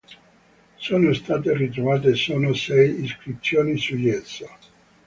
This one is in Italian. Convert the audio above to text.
Sono state ritrovate solo sei iscrizioni su gesso.